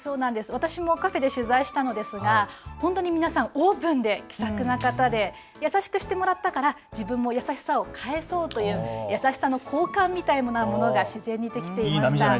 私もカフェで取材をしたのですが皆さん、本当にオープンで優しくしてもらったから自分も優しさを返そうという優しさの交換みたいなものが自然にできていました。